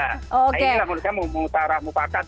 nah ini menurut saya memutara mupakat